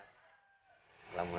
acing kos di rumah aku